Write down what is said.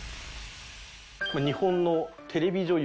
「日本のテレビ女優